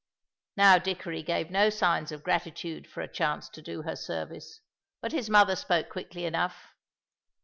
Now Dickory gave no signs of gratitude for a chance to do her service, but his mother spoke quickly enough.